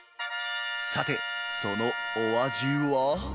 さて、そのお味は？